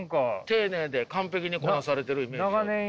丁寧で完璧にこなされてるイメージですよ。